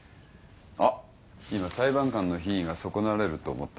あっ今「裁判官の品位が損なわれる」って思った？